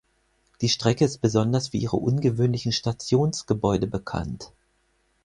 Die Strecke ist besonders für ihre ungewöhnlichen Stationsgebäude bekannt.